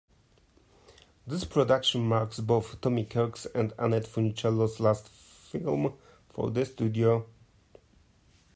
This production marks both Tommy Kirk's and Annette Funicello's last film for the studio.